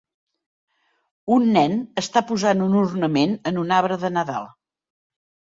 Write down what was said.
Un nen està posant un ornament en un arbre de nadal